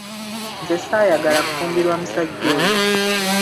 Nze saayagala kufumbirwa musajja oyo.